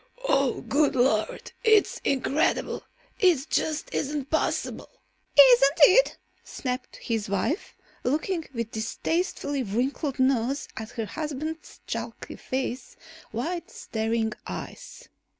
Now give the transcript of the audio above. "Oh, good Lord! It's incredible! It just isn't possible!" "Isn't it?" snapped his wife, looking with distastefully wrinkled nose at her husband's chalky face, wide staring eyes.